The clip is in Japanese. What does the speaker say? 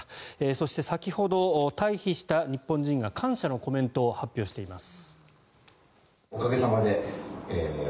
そして、先ほど退避した日本人が感謝のコメントを発表しています。